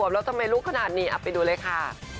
แล้วทำไมลูกขนาดนี้ไปดูเลยค่ะ